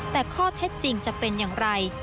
แต่ข้อเท็จจริงจะเป็นอย่างไร